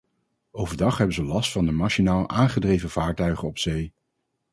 Overdag hebben ze last van de machinaal aangedreven vaartuigen op zee.